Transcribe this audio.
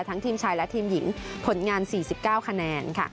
ทีมชายและทีมหญิงผลงาน๔๙คะแนนค่ะ